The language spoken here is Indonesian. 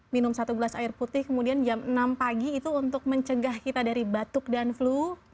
minum satu gelas air putih kemudian jam enam pagi itu untuk mencegah kita dari batuk dan flu